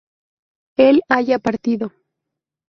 él haya partido